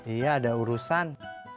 iya ada urusan